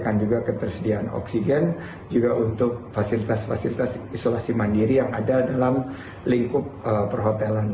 dan juga ketersediaan oksigen juga untuk fasilitas fasilitas isolasi mandiri yang ada dalam lingkup perhotelan